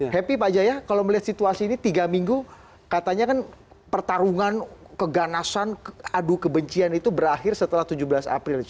happy pak jaya kalau melihat situasi ini tiga minggu katanya kan pertarungan keganasan adu kebencian itu berakhir setelah tujuh belas april